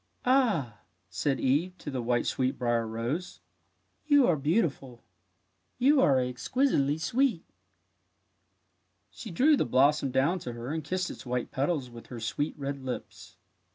'' Ah/' said Eve to the white sweetbrier rose, " you are beautiful. You are exquisitely sweet! " She drew the blossom down to her and kissed its white petals with her sweet red lips.